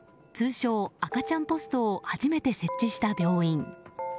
通称・赤ちゃんポストを初めて設置した病院。